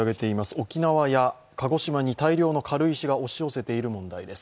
沖縄や鹿児島に大量の軽石が押し寄せている問題です。